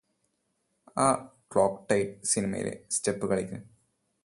ആ കോക്ക്ട്ടൈൽ സിനിമയിലെ സ്റ്റെപ് കളിക്ക്